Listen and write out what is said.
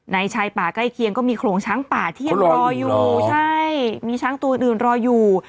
ชายป่าใกล้เคียงก็มีโขลงช้างป่าที่ยังรออยู่ใช่มีช้างตัวอื่นรออยู่